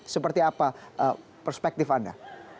seperti apa perspektif anda